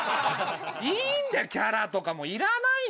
いいんだよキャラとかいらないの！